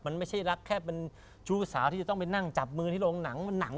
มันไม่ใช่รักแค่เป็นชู้สาวที่จะต้องไปนั่งจับมือที่โรงหนังมันหนัง